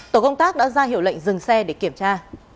tổ công tác đã ra hiệu lệnh dừng xe để kiểm tra